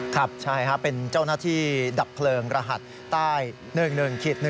ครับใช่ครับเป็นเจ้าหน้าที่ดับเพลิงรหัสใต้๑๑๑